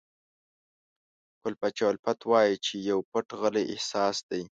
ګل پاچا الفت وایي چې پو پټ غلی احساس دی.